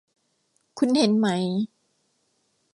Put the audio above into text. คุณเห็นไหม